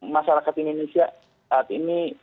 masyarakat indonesia saat ini